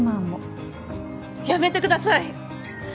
やめてください！